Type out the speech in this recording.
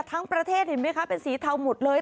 ทั้งประเทศเห็นไหมคะเป็นสีเทาหมดเลย